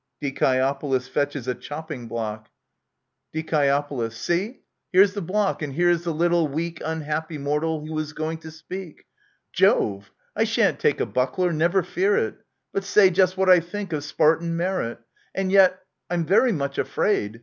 [Dicmovous fetches a chopping block. The Acharnians of Aristophanes. 19 Die. See ! Here's the block, and here's the little, weak, Unhappy mortal who is going to speak ! Jove ! I shan't take a buckler, never fear it ! But say just what I think of Spartan merit ! And yet — I'm very much afraid